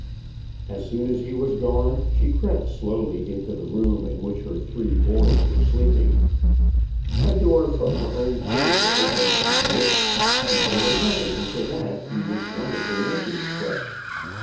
As soon as he was gone she crept slowly into the room in which her three boys were sleeping. A door from her own chamber opened into it, and then another into that in which one of the nurses slept.